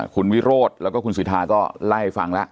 คุณวิโรธแล้วก็คุณสิทธาก็ไล่ฟังแล้ว